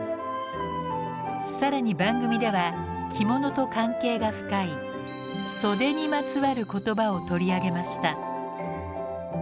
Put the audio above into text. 更に番組では着物と関係が深い「袖」にまつわる言葉を取り上げました。